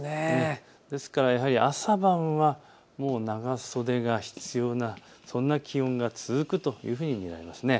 ですから朝晩はもう長袖が必要な、そんな気温が続くというふうに見られます。